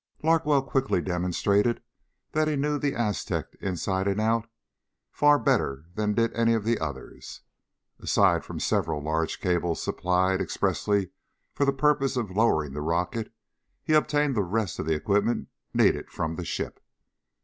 Larkwell quickly demonstrated that he knew the Aztec inside and out far better than did any of the others. Aside from several large cables supplied expressly for the purpose of lowering the rocket, he obtained the rest of the equipment needed from the ship.